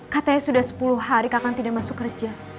katanya sudah sepuluh hari kakak tidak masuk kerja